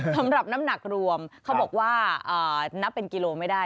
สำหรับน้ำหนักรวมเขาบอกว่านับเป็นกิโลไม่ได้